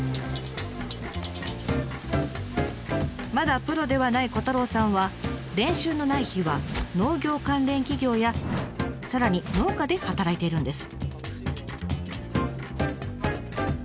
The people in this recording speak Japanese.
まだプロではない虎太郎さんは練習のない日は農業関連企業やさらに農家で働いているんです。